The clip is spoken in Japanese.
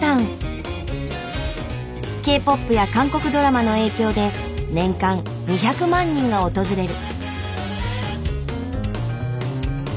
Ｋ−ＰＯＰや韓国ドラマの影響で年間２００万人が訪れる。